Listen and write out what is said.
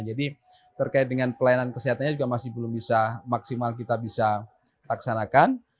jadi terkait dengan pelayanan kesehatannya juga masih belum bisa maksimal kita bisa taksanakan